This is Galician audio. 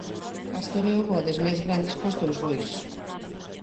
Pastoreo bodes máis grandes cós teus bois.